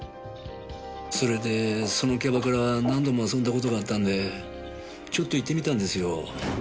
それでそのキャバクラ何度も遊んだ事があったんでちょっと行ってみたんですよ。